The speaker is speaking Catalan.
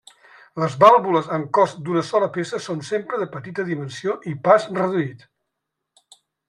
Les vàlvules amb cos d'una sola peça són sempre de petita dimensió i pas reduït.